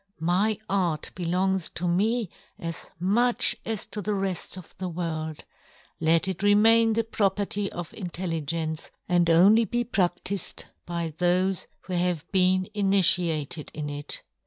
My art " belongs to me as much as to the " reft of the world ; let it remain " the property of intelligence, and " only be pradtifed by thofe who " have been initiated in it.